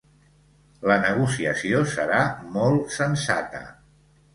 La negociació serà molt sensata.